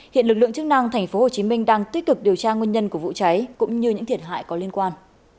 hiện lực lượng chức năng tp hcm đang tích cực điều tra nguyên nhân của vụ cháy cũng như những thiệt hại có liên quan